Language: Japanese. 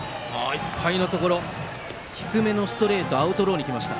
いっぱいのところ低めのストレートがアウトローにきました。